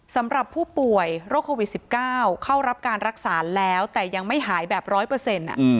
สำหรับผู้ป่วยโรคโควิด๑๙เข้ารับการรักษาแล้วแต่ยังไม่หายแบบร้อยเปอร์เซ็นต์